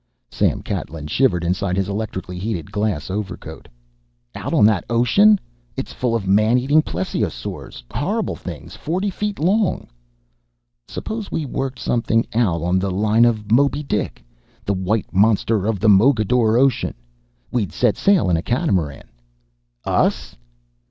Sam Catlin shivered inside his electrically heated glass overcoat. "Out on that ocean? It's full of man eating plesiosaurs horrible things forty feet long." "Suppose we worked something out on the line of Moby Dick? The White Monster of the Mogador Ocean. We'd set sail in a catamaran " "Us?"